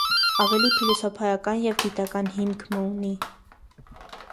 Աւելի փիլիսոփայական եւ գիտական հիմք մը ունի։